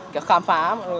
để khám phá